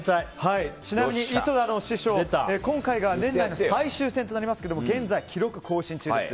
ちなみに、井戸田の師匠は今回が年内の最終戦となりますけど現在、記録更新中です。